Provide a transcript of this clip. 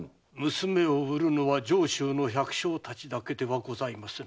娘を売るのは上州の百姓たちだけではございませぬ。